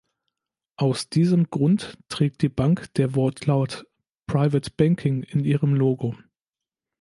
Aus diesem Grund trägt die Bank der Wortlaut „Private Banking“ in ihrem Logo.